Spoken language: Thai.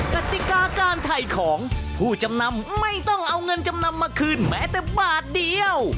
กติกาการถ่ายของผู้จำนำไม่ต้องเอาเงินจำนำมาคืนแม้แต่บาทเดียว